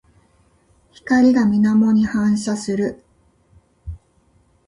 光が水面に反射する。